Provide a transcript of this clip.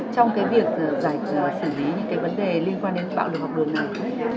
trong việc giải cứu và xử lý những vấn đề liên quan đến bạo lực học đường này